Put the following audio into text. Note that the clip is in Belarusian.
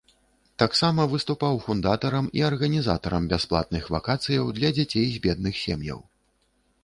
Таксама выступаў фундатарам і арганізатарам бясплатных вакацыяў для дзяцей з бедных сем'яў.